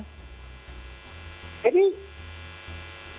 jadi ini tuh seluruh indonesia ya covid sembilan belas